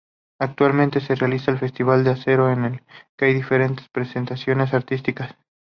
Anualmente se realiza el Festival del Acero, en el que hay diferentes presentaciones artísticas.